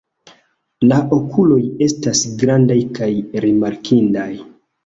La okuloj estas grandaj kaj rimarkindaj.